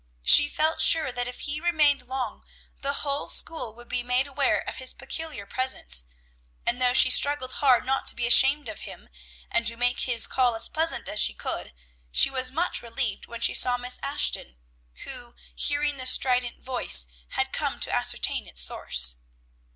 She felt sure that if he remained long, the whole school would be made aware of his peculiar presence; and though she struggled hard not to be ashamed of him, and to make his call as pleasant as she could, she was much relieved when she saw Miss Ashton, who, hearing the strident voice, had come to ascertain its source.